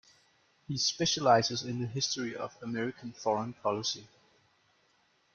He specializes in the history of American foreign policy.